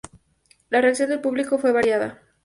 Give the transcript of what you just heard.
La reacción del público fue variada.